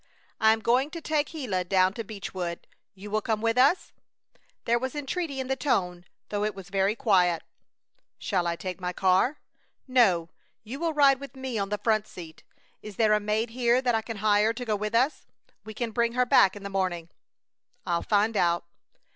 "I am going to take Gila down to Beechwood. You will come with us?" There was entreaty in the tone, though it was very quiet. "Shall I take my car?" "No. You will ride with me on the front seat. Is there a maid here that I can hire to go with us? We can bring her back in the morning." "I'll find out."